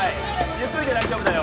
ゆっくりで大丈夫だよ